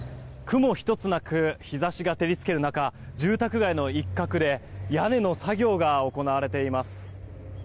雲一つなく日差しが照りつける中住宅街の一角で屋根の作業が行われています。